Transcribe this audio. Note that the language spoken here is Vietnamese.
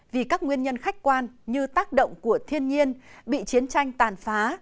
vì các nguyên nhân khách quan như tác động của thiên nhiên bị chiến tranh tàn phá